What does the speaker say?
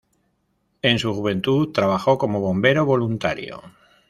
En su juventud trabajó como bombero voluntario.